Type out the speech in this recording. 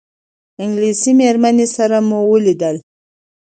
انګلیسي مېرمنې سره مو ولیدل.